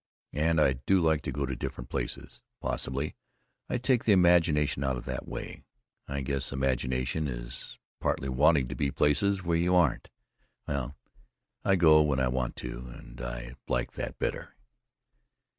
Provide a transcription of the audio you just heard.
And I do like to go different places; possibly I take the imagination out that way—I guess imagination is partly wanting to be places where you aren't—well, I go when I want to, and I like that better.